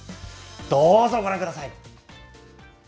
どうぞご覧ください。